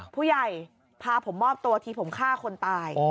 ผู้ใหญ่พาผมมอบตัวทีผมฆ่าคนตาย